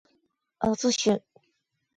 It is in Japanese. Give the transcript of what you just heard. ahfuhiu